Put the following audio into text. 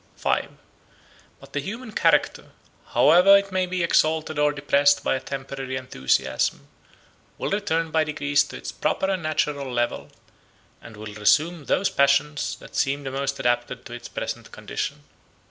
V. But the human character, however it may be exalted or depressed by a temporary enthusiasm, will return by degrees to its proper and natural level, and will resume those passions that seem the most adapted to its present condition.